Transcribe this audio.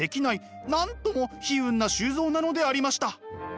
なんとも悲運な周造なのでありました。